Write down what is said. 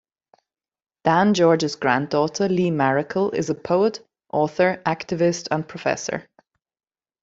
Dan George's granddaughter Lee Maracle is a poet, author, activist, and professor.